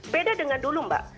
beda dengan dulu mbak